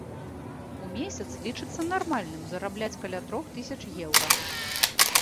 У месяц лічыцца нармальным зарабляць каля трох тысяч еўра.